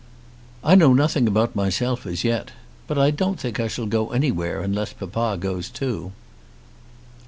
"I know nothing about myself as yet. But I don't think I shall go anywhere unless papa goes too."